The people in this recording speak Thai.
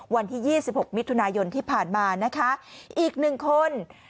วันที่๒๖มิถุนายนที่ผ่านมานะคะอีกหนึ่งคน